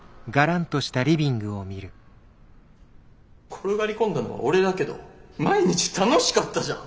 転がり込んだのは俺だけど毎日楽しかったじゃん。